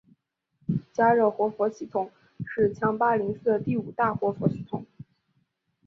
嘉热活佛系统是强巴林寺的第五大活佛系统。